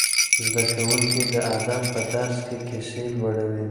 زده کوونکي د ادب په درس کې کیسې لوړي.